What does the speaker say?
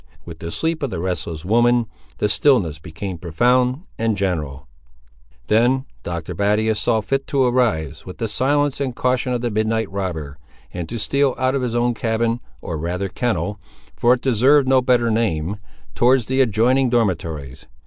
With the sleep of the restless woman, the stillness became profound and general. Then Dr. Battius saw fit to arise, with the silence and caution of the midnight robber, and to steal out of his own cabin, or rather kennel, for it deserved no better name, towards the adjoining dormitories.